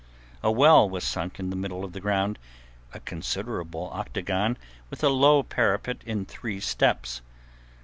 A well was sunk in the middle of the ground, a considerable octagon with a low parapet in three steps.